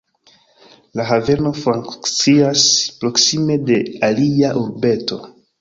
La haveno funkcias proksime de alia urbeto.